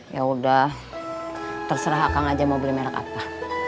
yaudah terserah akang aja mau beli merek apa